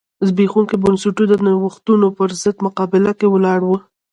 زبېښونکي بنسټونه د نوښتونو پرضد مقابله کې ولاړ و.